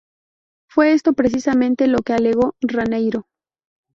Fue esto precisamente lo que alegó Raniero.